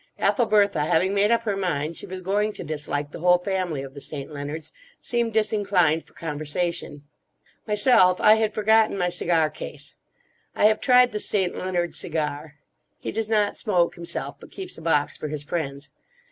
Ethelbertha, having made up her mind she was going to dislike the whole family of the St. Leonards, seemed disinclined for conversation. Myself I had forgotten my cigar case. I have tried the St. Leonard cigar. He does not smoke himself; but keeps a box for his friends.